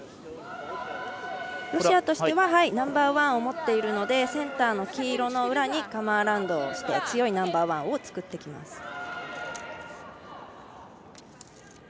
ロシアとしてはナンバーワンを持っているのでセンターの黄色の裏にカム・アラウンドして強いナンバーワンを作ってきます。